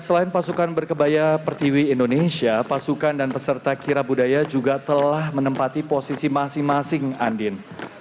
selain pasukan berkebaya pertiwi indonesia pasukan dan peserta kira budaya juga telah menempati posisi masing masing andin